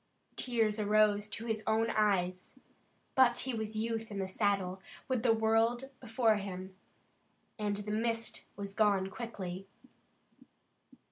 Tears arose to his own eyes, but he was youth in the saddle, with the world before him, and the mist was gone quickly.